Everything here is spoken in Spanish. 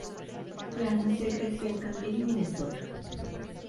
Clark nació y creció en Canby, Minnesota.